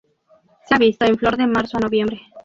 Se ha visto en flor de marzo a noviembre.